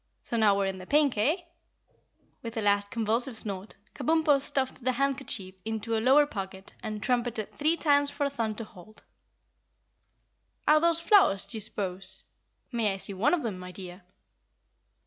"So now we're in the pink, eh?" With a last convulsive snort, Kabumpo stuffed the handkerchief into a lower pocket and trumpeted three times for Thun to halt. "Are those flowers, d'ye 'spose? May I see one of them, my dear?"